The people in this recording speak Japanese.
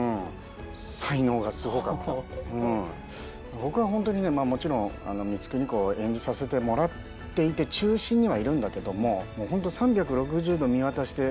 僕は本当にねもちろん光圀公を演じさせてもらっていて中心にはいるんだけども本当３６０度見渡してすてきな